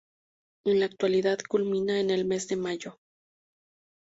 En la actualidad culmina en el mes de mayo.